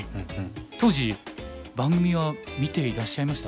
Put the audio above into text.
当時番組は見ていらっしゃいました？